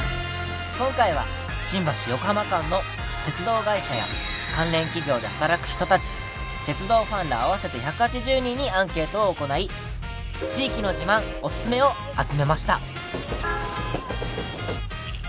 今回は新橋・横浜間の鉄道会社や関連企業で働く人たち鉄道ファンら合わせて１８０人にアンケートを行い地域の自慢おすすめを集めました。